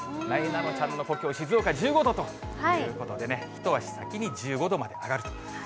なえなのちゃんの故郷、静岡１５度ということでね、一足先に１５度まで上がると。